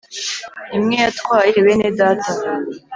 imwe yatwaye bene data